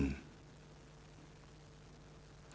agar tidak merugikan pihak lain